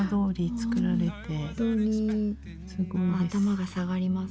頭が下がります。